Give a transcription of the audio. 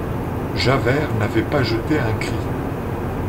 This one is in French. Javert n'avait pas jeté un cri.